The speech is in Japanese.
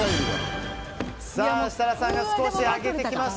設楽さんが少し上げてきました。